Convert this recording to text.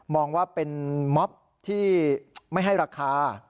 องว่าเป็นม็อบที่ไม่ให้ราคา